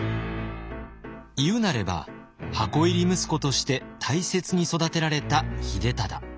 言うなれば箱入り息子として大切に育てられた秀忠。